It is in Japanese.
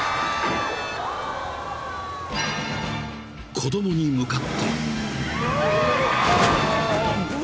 ［子供に向かって］